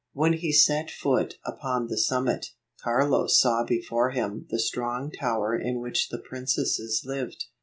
150 When he set foot upon the summit, Carlos saw before him the strong tower in which the princesses lived.